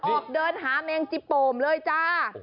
ออกเดินหาแมงจิโป่งเลยจ้า